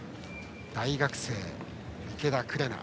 大学生、池田紅。